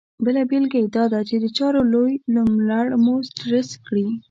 بله بېلګه دا ده چې د چارو لوی نوملړ مو سټرس کړي.